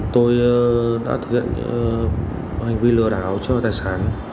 tôi đã thực hiện hành vi lừa đảo chiếm đoạt tài sản